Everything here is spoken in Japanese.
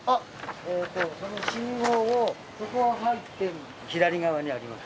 えっとその信号をそこを入って左側にあります。